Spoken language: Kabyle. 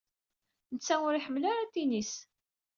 Netta ur iḥemmel ara atennis.